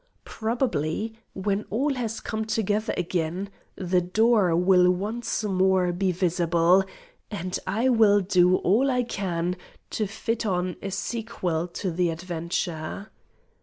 Probably, when all has come together again, the door will once more be visible, and I will do all I can to fit on a sequel to the adventure.